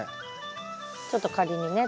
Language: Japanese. ちょっと仮にね。